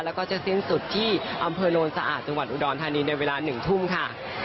แล้วก็จะสิ้นสุดที่อำเภอโนนสะอาดจังหวัดอุดรธานีในเวลา๑ทุ่มค่ะ